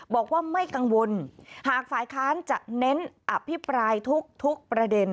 บอกว่าไม่กังวลหากฝ่ายค้านจะเน้นอภิปรายทุกประเด็น